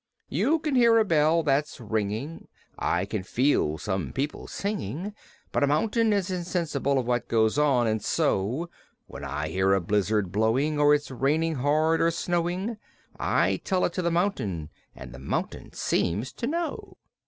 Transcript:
"You can hear a bell that's ringing; I can feel some people's singing; But a mountain isn't sensible of what goes on, and so When I hear a blizzard blowing Or it's raining hard, or snowing, I tell it to the mountain and the mountain seems to know.